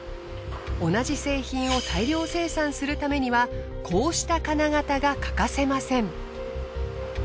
同じ製品を大量生産するためにはこうした金型が欠かせません。